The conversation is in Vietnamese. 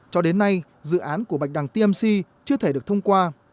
cho đến nay dự án của bạch đằng tmc chưa thể được thông qua